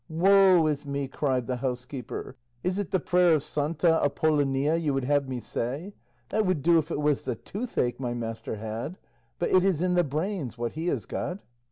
"Woe is me," cried the housekeeper, "is it the prayer of Santa Apollonia you would have me say? That would do if it was the toothache my master had; but it is in the brains, what he has got."